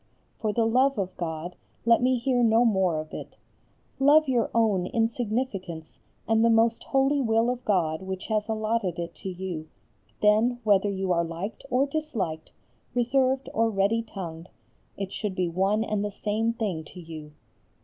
For the love of God let me hear no more of it: love your own insignificance and the most holy will of God which has allotted it to you, then whether you are liked or disliked, reserved or ready tongued, it should be one and the same thing to you.